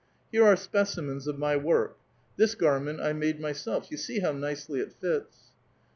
" Here are specimens of my work. This gar ment I made myself ; you see how nicely it fits."